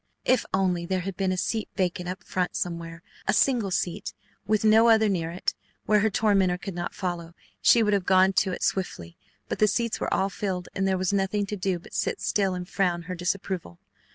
If only there had been a seat vacant up front somewhere, a single seat with no other near it, where her tormentor could not follow, she would have gone to it swiftly, but the seats were all filled and there was nothing to do but sit still and frown her disapproval.